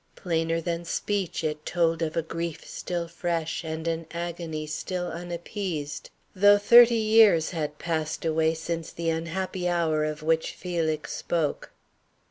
Plainer than speech it told of a grief still fresh and an agony still unappeased, though thirty years had passed away since the unhappy hour of which Felix spoke.